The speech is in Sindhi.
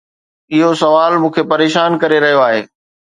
اهو سوال مون کي پريشان ڪري رهيو آهي.